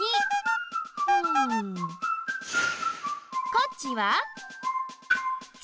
こっちは庇。